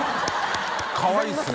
かわいいですね